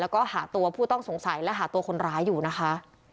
แล้วก็หาตัวผู้ต้องสงสัยและหาตัวคนร้ายอยู่นะคะ